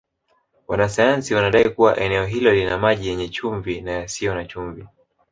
Wanasayansi wanadai kuwa eneo hilo lina maji yenye chumvi na yasiyo na chumvi